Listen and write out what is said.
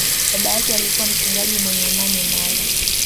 Baba yake alikuwa mchungaji mwenye imani imara.